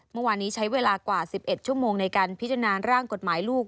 เมื่อวานนี้ใช้เวลากว่า๑๑ชั่วโมงในการพิจารณาร่างกฎหมายลูก